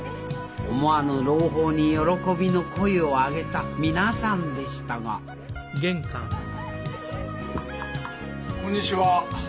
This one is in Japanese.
思わぬ朗報に喜びの声を上げた皆さんでしたがこんにちは！